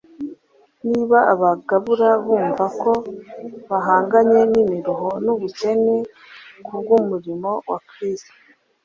Niba abagabura bumva ko bahanganye n’imiruho n’ubukene kubw’umurimo wa Kristo,